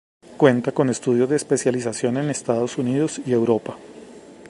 Cuenta con estudios de especialización en Estados Unidos y Europa.